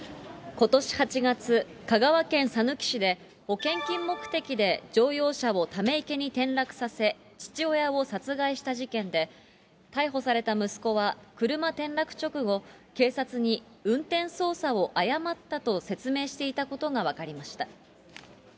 ことし８月、香川県さぬき市で、保険金目的で乗用車をため池に転落させ、父親を殺害した事件で、逮捕された息子は、車転落直後、警察に、運転操作を誤ったと説明していたことが分かりました。